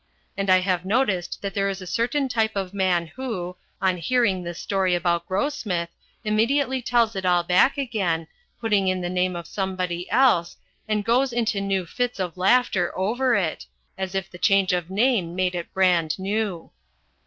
And I have noticed that there is a certain type of man who, on hearing this story about Grossmith, immediately tells it all back again, putting in the name of somebody else, and goes into new fits of laughter over it, as if the change of name made it brand new.